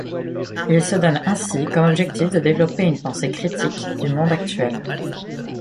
Il se donne ainsi comme objectif de développer une pensée critique du monde actuel.